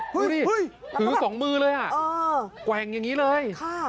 เฮ้ยถือสองมือเลยอะแกว้งอย่างนี้เลยค่ะ